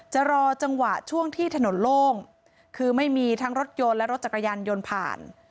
จะรอจังหวะช่วงที่ถนนโล่งคือไม่มีทั้งรถยนต์และรถจักรยานยนต์ผ่าน